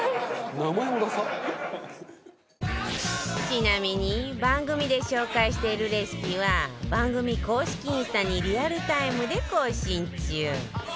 ちなみに番組で紹介しているレシピは番組公式インスタにリアルタイムで更新中